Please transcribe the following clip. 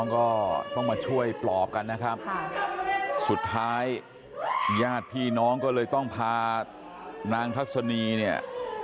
ก็ต้องมาช่วยปลอบกันนะครับสุดท้ายญาติพี่น้องก็เลยต้องพานางทัศนีเนี่ย